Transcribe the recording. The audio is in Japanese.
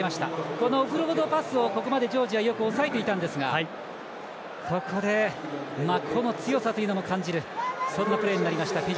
このオフロードパスをここまでジョージアよく抑えていたんですがここで、個の強さも感じるプレーになりました。